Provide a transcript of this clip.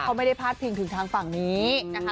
เขาไม่ได้พาดพิงถึงทางฝั่งนี้นะคะ